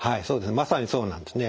まさにそうなんですね。